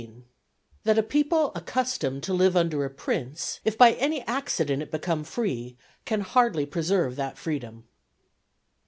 —_That a People accustomed to live under a Prince, if by any accident it become free, can hardly preserve that Freedom.